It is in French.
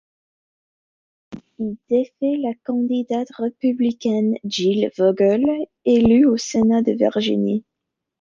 Il défait la candidate républicaine Jill Vogel, élue au Sénat de Virginie.